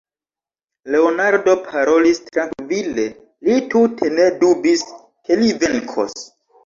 Leonardo parolis trankvile; li tute ne dubis, ke li venkos.